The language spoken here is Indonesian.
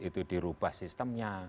itu dirubah sistemnya